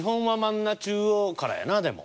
中央からやなでも。